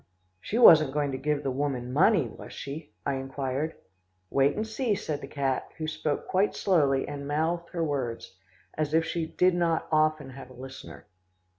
"She wasn't going to give the woman money, was she?" I inquired. "Wait and see," said the cat, who spoke quite slowly and mouthed her words, as if she did not often have a listener.